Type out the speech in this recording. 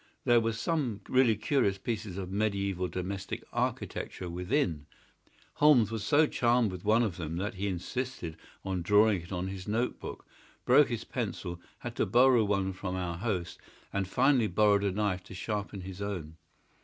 There were some really curious pieces of mediaeval domestic architecture within. Holmes was so charmed with one of them that he insisted on drawing it on his note book, broke his pencil, had to borrow one from our host, and finally borrowed a knife to sharpen his own.